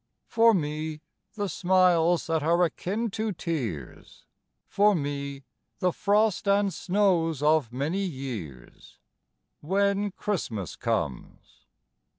For me, the smiles that are akin to tears, For me, the frost and snows of many years, When Christmas comes.